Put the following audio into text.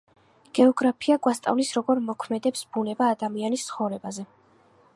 გეოგრაფია გვასწავლის, როგორ მოქმედებს ბუნება ადამიანის ცხოვრებაზე.